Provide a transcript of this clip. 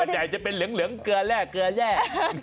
ใหญ่จะเป็นเหลืองเกลือแร่เกลือแย่